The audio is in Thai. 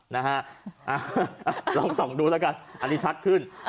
นะฮะลองส่องดูแล้วกันอันนี้ชัดขึ้น